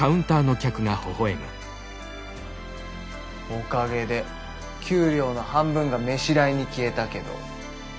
おかげで給料の半分が飯代に消えたけど。